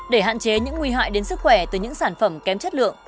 để hạn chế những nguy hại đến sức khỏe từ những sản phẩm kém chất lượng